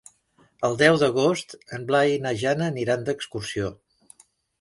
El deu d'agost en Blai i na Jana aniran d'excursió.